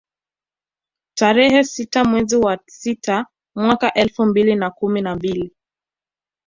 Tarehe sita mwezi wa sita mwaka elfu mbili na kumi na mbili